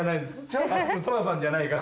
寅さんじゃないから。